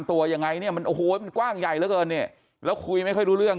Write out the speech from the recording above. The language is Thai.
ตัวยังไงเนี่ยมันกว้างใหญ่แล้วเนี่ยแล้วคุยไม่ค่อยรู้เรื่อง